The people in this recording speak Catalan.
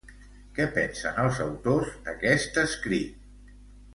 Què pensen els autors d'aquest escrit?